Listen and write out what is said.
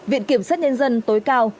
viện kiểm soát nhân dân tối cao